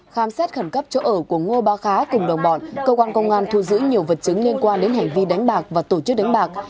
khám xét khẩn cấp chỗ ở của ngô ba khá cùng đồng bọn cơ quan công an thu giữ nhiều vật chứng liên quan đến hành vi đánh bạc và tổ chức đánh bạc